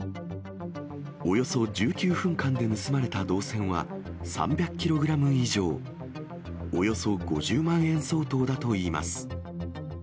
およそ１９分間で盗まれた銅線は３００キログラム以上、およそ５０万円相当だといいます。